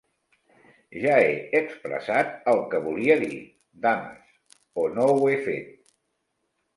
Ja he expressat el que volia dir, dames, o no ho he fet?